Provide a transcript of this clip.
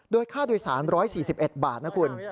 โดยค่าโดยสาร๑๔๑บาทนะคุณ